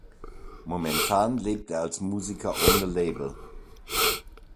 Momentan lebt er als Musiker ohne Label.